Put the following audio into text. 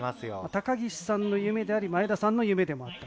高岸さんの夢であり、前田さんの夢でもある。